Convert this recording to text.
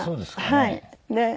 はい。